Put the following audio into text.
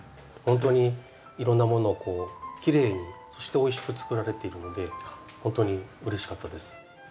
ほんとにいろんなものをきれいにそしておいしく作られているのでほんとにうれしかったです。